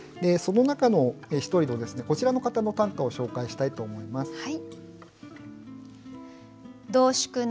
その中の一人のこちらの方の短歌を紹介したいと思います。